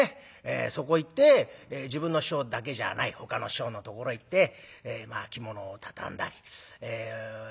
そこへ行って自分の師匠だけじゃないほかの師匠のところへ行って着物を畳んだりそれから高座返しですね。